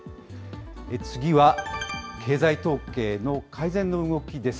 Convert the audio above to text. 次は経済統計の改善の動きです。